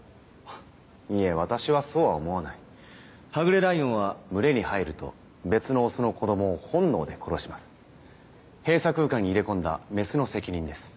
いえ私はそうは思わないはぐれライオンは群れに入ると別のオスの子どもを本能で殺します閉鎖空間に入れ込んだメスの責任です